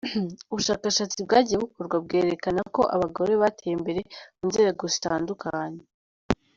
Ubushakashatsi bwagiye bukorwa bwerekana ko abagore bateye imbere mu nzego zitandukanye.